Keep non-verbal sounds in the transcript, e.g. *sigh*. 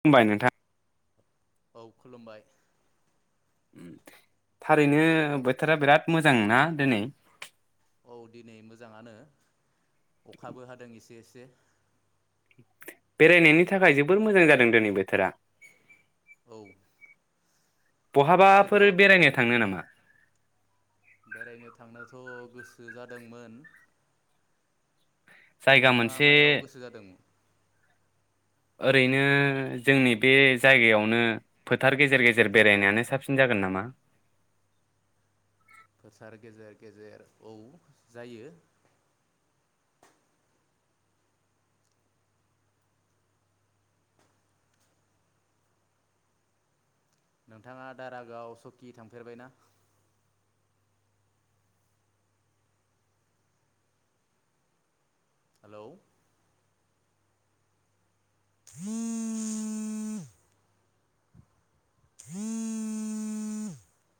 खुलुमबाय नोंथां औ खुलुमबाय ओम थारैनो बोथोरा बिराद मोजां ना दिनै औ दिनै मोजाङानो अखाबो हादों एसे एसे बेरायनायनि थाखाय जोबोर मोजां जादों दिनै बोथोरा बहाबाफोर बेरायनो थांनो नामा? बेरायनो थांनोथ' गोसो जादोंमोन जायगा नोंथाङा मोनसे मायाव गोसो जादोंमोन ओरैनो जोंनि बे जायगायावनो फोथार गेजेर गेजेर बेरायनायानो साबसिन जागोन नामा? फोथार गेजेर गेजेर औ जायो नोंथाङा दारागआव सकि थांफेरबाय ना? हेलौ *inaudible* *inaudible*